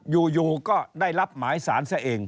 อยู่ก็ได้รับหมายสารซะเอง